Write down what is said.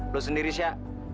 lo sendiri sya